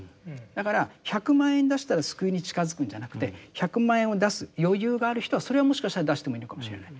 だから１００万円出したら救いに近づくんじゃなくて１００万円を出す余裕がある人はそれはもしかしたら出してもいいのかもしれない。